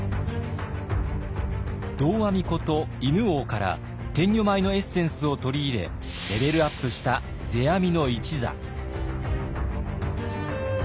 道阿弥こと犬王から天女舞のエッセンスを取り入れレベルアップした世阿弥の一座。